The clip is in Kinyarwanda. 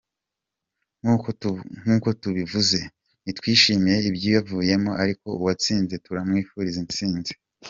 Nkuko tubivuze, ntitwishimiye ibyavuyemo ariko uwatsinze turamwifuzira intsinzi.”